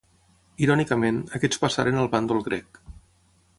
Irònicament, aquests passaren al bàndol grec.